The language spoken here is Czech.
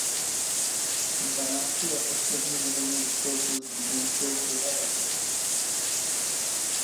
V dvanácti letech prvně veřejně vystoupil s Vídeňskou filharmonií.